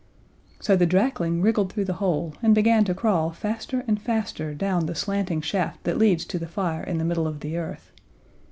So the drakling wriggled through the hole, and began to crawl faster and faster down the slanting shaft that leads to the fire in the middle of the earth.